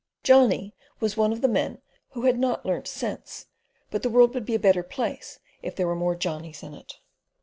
Johnny was one of the men who had not "learnt sense" but the world would be a better place if there were more Johnnies in it.